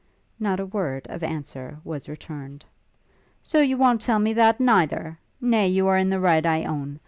Not a word of answer was returned. 'So you won't tell me that, neither? Nay, you are in the right, I own.